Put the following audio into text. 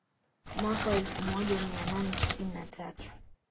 Mwaka wa elfu moja mia nane tisini na tatu